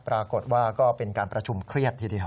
ปรากฏว่าก็เป็นการประชุมเครียดทีเดียว